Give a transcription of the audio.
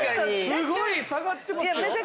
すごい下がってますよ。